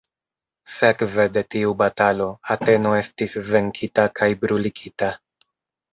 Sekve de tiu batalo, Ateno estis venkita kaj bruligita.